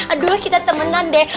aduh kita temenan deh